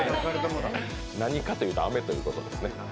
何かというと、あめということですね。